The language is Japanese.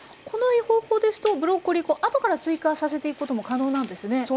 この方法ですとブロッコリー後から追加させていくことも可能なんですね。